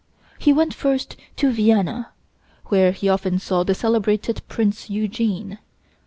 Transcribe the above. He went first to Vienna, where he often saw the celebrated Prince Eugene.